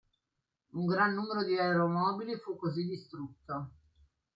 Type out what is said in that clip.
Un gran numero di aeromobili fu così distrutto.